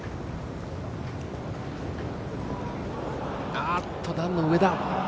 あっと段の上だ。